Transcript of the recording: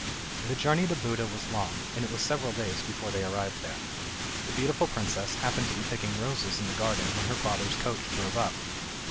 The journey to Buda was long, and it was several days before they arrived there. The beautiful princess happened to be picking roses in the garden, when her father's coach drove up.